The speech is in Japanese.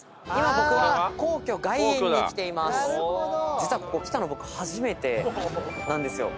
実はここ来たの僕初めてなんですよ。